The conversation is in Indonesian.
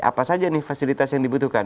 apa saja nih fasilitas yang dibutuhkan